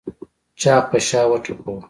چاغ په شا وټپوه.